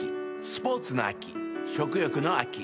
スポーツの秋食欲の秋。